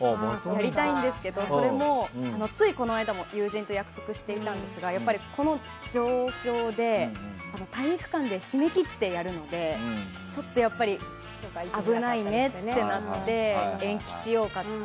やりたいんですけどそれも、ついこの間も友人と約束していたんですがやっぱりこの状況で体育館で、閉め切ってやるのでちょっとやっぱり危ないねってなって延期しようかって。